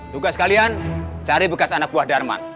tugas kalian cari bekas anak buah darman